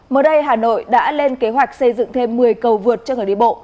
mới đây hà nội đã lên kế hoạch xây dựng thêm một mươi cầu vượt cho người đi bộ